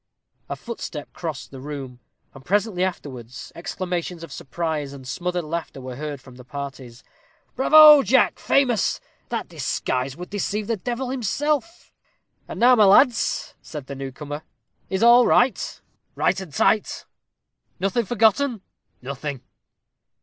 A footstep crossed in the room, and, presently afterwards, exclamations of surprise and smothered laughter were heard from the parties. "Bravo, Jack! famous! that disguise would deceive the devil himself." "And now, my lads," said the newcomer, "is all right?" "Right and tight." "Nothing forgotten?" "Nothing."